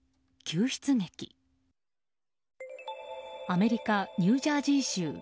アメリカ・ニュージャージー州。